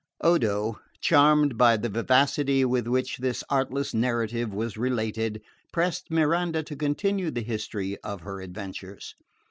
Odo, charmed by the vivacity with which this artless narrative was related, pressed Miranda to continue the history of her adventures.